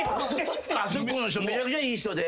あそこの人めちゃくちゃいい人で。